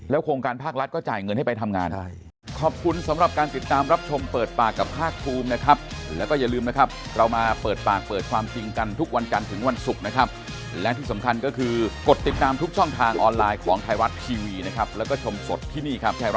โครงการภาครัฐก็จ่ายเงินให้ไปทำงาน